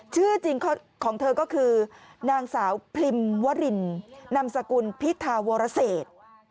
ชื่อจริงของเธอก็คือนางสาวพิมวรินนำสกุลพิธาวรเศษ